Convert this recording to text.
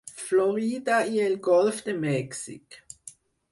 Florida i el Golf de Mèxic.